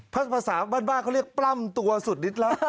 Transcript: ภาษาบ้านบ้านเขาเรียกปล้ำตัวสุดนิดละ